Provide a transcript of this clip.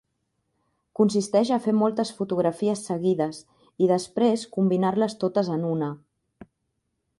Consisteix a fer moltes fotografies seguides i després combinar-les totes en una.